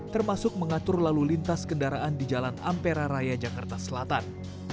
termasuk mengatur lalu lintas kendaraan di jalan ampera raya jakarta selatan